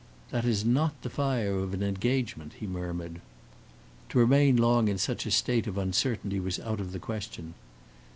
"That is not the fire of an engagement," he murmured. To remain long in such a state of uncertainty was out of the question.